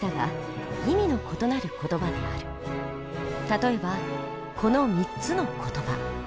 例えばこの３つの言葉。